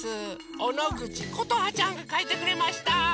おのぐちことはちゃんがかいてくれました！